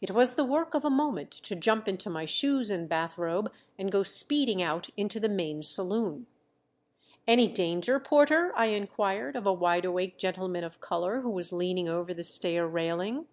It was the work of a moment to jump into my shoes and bathrobe, and go speeding out into the main saloon. "Any danger, Porter?" I inquired of a wide awake gentleman of color, who was leaning over the stair railing.